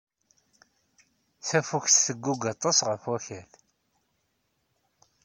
Tafukt teggug aṭas ɣef Wakal.